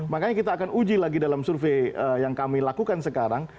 makanya kita akan uji lagi dalam survei yang kami lakukan sekarang